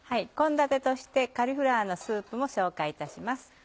献立として「カリフラワーのスープ」も紹介いたします。